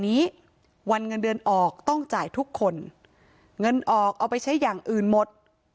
นี้วันเงินเดือนออกต้องจ่ายทุกคนเงินออกเอาไปใช้อย่างอื่นหมด